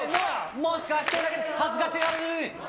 もしかしてだけど、恥ずかしがらずに。